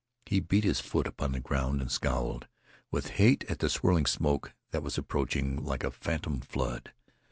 He beat his foot upon the ground, and scowled with hate at the swirling smoke that was approaching like a phantom flood.